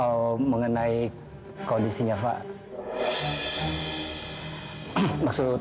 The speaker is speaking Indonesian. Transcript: oh mengenai kondisinya fad